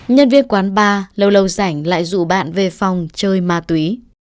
nhân viên quán bar lâu lâu rảnh lại rụ bạn về phòng chơi ma túy